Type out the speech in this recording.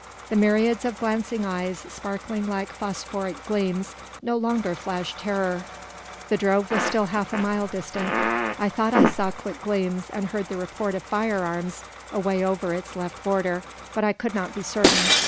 The myriads of glancing eyes, sparkling like phosphoric gleams, no longer flashed terror. The drove was still half a mile distant. I thought I saw quick gleams, and heard the report of firearms away over its left border; but I could not be certain.